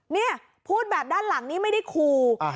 นี่พูดแบบด้านหลังนี้ไม่ได้คู